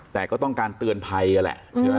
แต่ก็ต้องการเตือนภัยนั่นแหละ